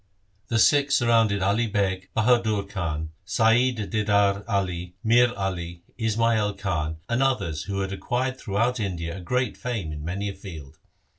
The Sikhs surrounded Ali Beg, Bahadur Khan, Saiyid Didar Ali, Mihr Ali, Ismail Khan, and others, who had acquired throughout India great fame in many a field.